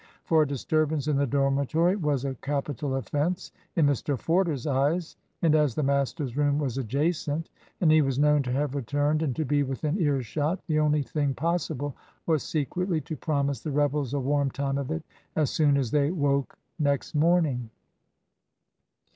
For a disturbance in the dormitory was a capital offence in Mr Forder's eyes, and, as the master's room was adjacent, and he was known to have returned and to be within earshot, the only thing possible was secretly to promise the rebels a warm time of it as soon as they woke next morning.